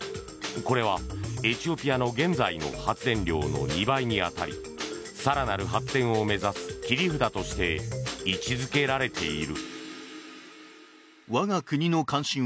これは、エチオピアの現在の発電量の２倍に当たり更なる発展を目指す切り札として位置づけられている。